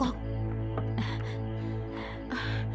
lalu mengeluarkan ayam jago agar berkokok